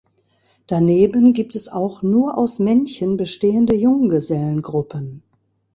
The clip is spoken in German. Daneben gibt es auch nur aus Männchen bestehende Junggesellengruppen.